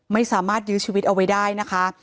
ไม่สามารถยื้อชีวิตเอาไว้ได้นะคะ